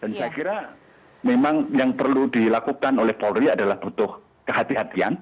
dan saya kira memang yang perlu dilakukan oleh polri adalah butuh kehati hatian